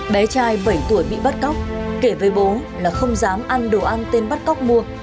bé trai bảy tuổi bị bắt cóc kể với bố là không dám ăn đồ ăn tên bắt cóc mua